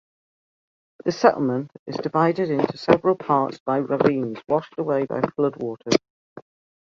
The settlement is divided into several parts by ravines washed away by flood waters.